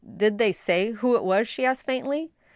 " Did they say who it was ?" she asked, faintly.